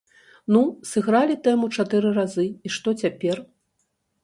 Ну, сыгралі тэму чатыры разы, і што цяпер?